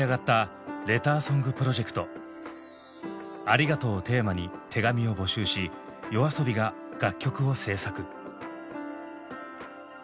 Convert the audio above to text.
「ありがとう」をテーマに手紙を募集しＹＯＡＳＯＢＩが楽曲を制作。